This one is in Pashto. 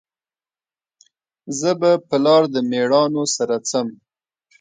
زه به په لار د میړانو سره ځم